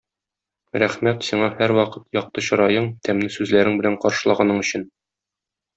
Рәхмәт сиңа һәрвакыт якты чыраең, тәмле сүзләрең белән каршылаганың өчен.